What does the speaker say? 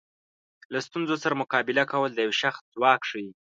له ستونزو سره مقابله کول د یو شخص ځواک ښیي.